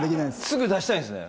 すぐ出したいんですね